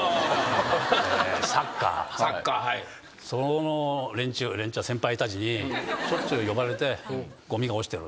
その連中先輩たちにしょっちゅう呼ばれてごみが落ちてる。